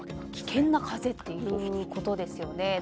危険な風ということですよね。